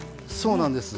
そうなんです。